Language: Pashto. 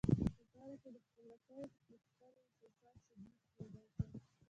په پایله کې د خپلواکۍ غوښتنې احساساتو شدت پیدا کړ.